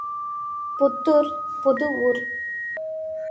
புத்தூர் புது ஊர்.